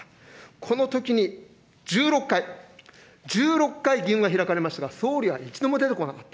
このときに１６回、１６回議運が開かれましたが、総理は一度も出てこなかった。